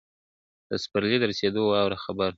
دسپرلي د رسیدو واوره خبر